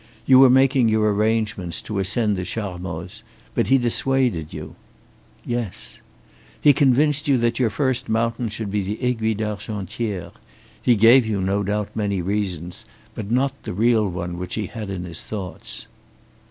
You were making your arrangements to ascend the Charmoz. But he dissuaded you." "Yes." "He convinced you that your first mountain should be the Aiguille d'Argentière. He gave you no doubt many reasons, but not the real one which he had in his thoughts."